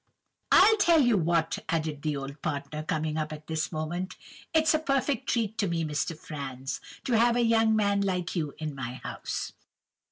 "'I'll tell you what,' added the old partner, coming up at this moment, 'it's a perfect treat to me, Mr. Franz, to have a young man like you in my house!